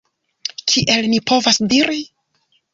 Kiel ni povas diri?